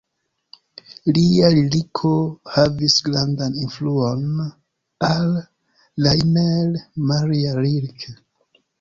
Lia liriko havis grandan influon al Rainer Maria Rilke.